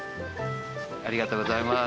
ありがとうございます。